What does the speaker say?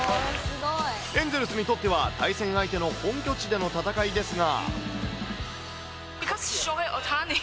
エンゼルスにとっては、対戦相手の本拠地での戦いですが。